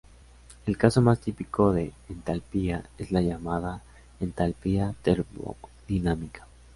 El caso más típico de entalpía es la llamada entalpía termodinámica.